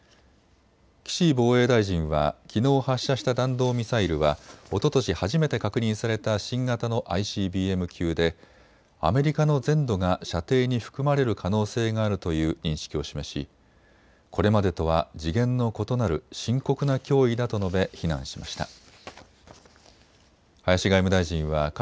岸防衛大臣はきのう発射した弾道ミサイルは、おととし初めて確認された新型のＩＣＢＭ級でアメリカの全土が射程に含まれる可能性があるという認識を示し、これまでとは次元の異なる深刻な脅威だと述べ非難しました。